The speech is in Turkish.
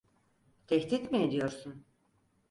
Tehdit mi ediyorsun?